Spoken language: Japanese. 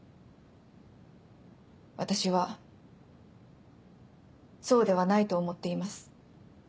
私はそうではないと思っています。